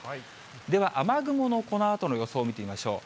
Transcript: では雨雲のこのあとの予想を見てみましょう。